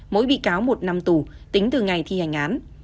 mỗi bị cáo một năm tù tính từ ngày thi hành án